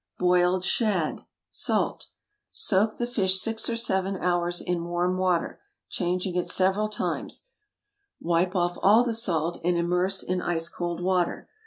BOILED SHAD. (Salt.) Soak the fish six or seven hours in warm water, changing it several times; wipe off all the salt and immerse in ice cold water.